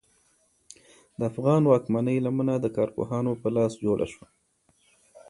د افغان واکمنۍ لمنه د کارپوهانو په لاس جوړه شوه.